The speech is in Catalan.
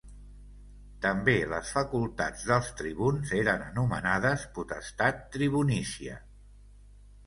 També les facultats dels tribuns eren anomenades potestat tribunícia.